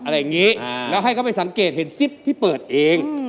แล้วให้เขาไปสังเกตเห็นซิปที่เปิดเอง